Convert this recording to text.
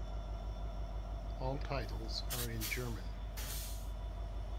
All titles are in German.